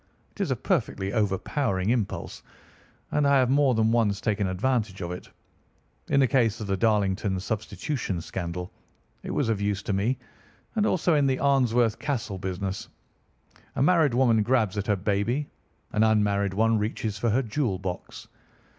It is a perfectly overpowering impulse, and I have more than once taken advantage of it. In the case of the Darlington Substitution Scandal it was of use to me, and also in the Arnsworth Castle business. A married woman grabs at her baby; an unmarried one reaches for her jewel box.